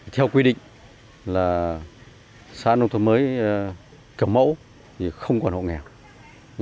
theo quy định là xã nông thôn mới kiểu mẫu thì không còn hộ nghèo